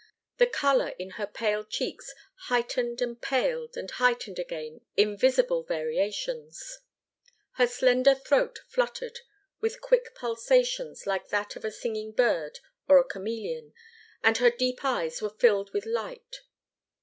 The colour in her pale cheeks heightened and paled and heightened again in visible variations. Her slender throat fluttered with quick pulsations like that of a singing bird or a chameleon, and her deep eyes were filled with light.